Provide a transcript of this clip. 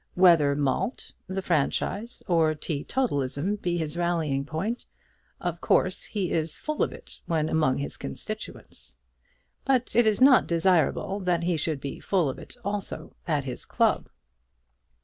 Whether malt, the franchise, or teetotalism be his rallying point, of course he is full of it when among his constituents. But it is not desirable that he should be full of it also at his club.